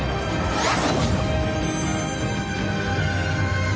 あっ！